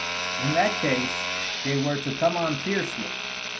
In that case they were to come on fiercely.